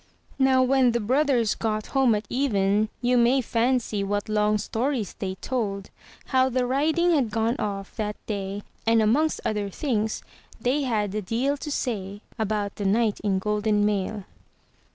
Now, when the brothers got home at even, you may fancy what long stories they told, how the riding had gone off that day; and amongst other things, they had a deal to say about the knight in golden mail.